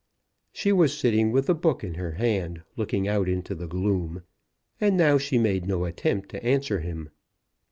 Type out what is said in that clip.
She was sitting with the book in her hand, looking out into the gloom, and now she made no attempt to answer him.